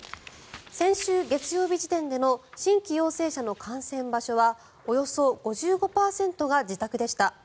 先週月曜日時点での新規陽性者の感染場所はおよそ５５％が自宅でした。